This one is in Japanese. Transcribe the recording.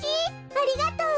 ありがとう！